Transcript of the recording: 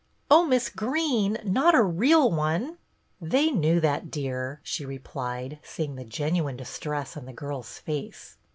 "" Oh, Miss Greene, not a real one !"" They knew that, dear," she replied, see ing the genuine distress on the girl's face.